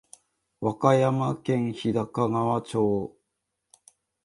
和歌山県日高川町